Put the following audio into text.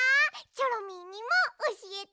チョロミーにもおしえて！